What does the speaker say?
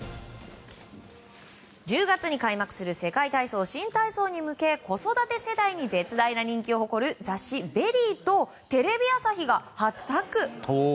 １０月に開幕する世界体操・新体操に向け子育て世代に絶大な人気を誇る雑誌「ＶＥＲＹ」とテレビ朝日が初タッグ。